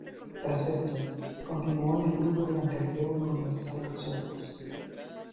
Tras esto, continuó en el grupo durante el feudo con Los Psycho Circus.